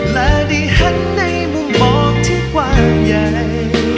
และได้หันในมุมมองที่กว้างใหญ่